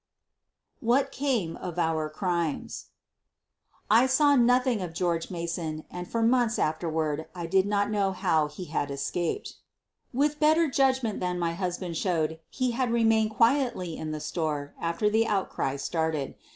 WHAT CAME OP OTJE CEIMES I saw nothing of George Mason and for months afterward did not know how he had escaped. With 126 SOPHIE LYONS better judgment than my husband showed Me bact remained quietly in the store after the outcry started.